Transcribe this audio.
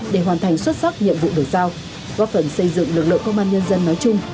để hoàn thành xuất sắc nhiệm vụ được giao góp phần xây dựng lực lượng công an nhân dân nói chung